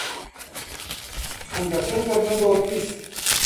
Fundación Fernando Ortiz.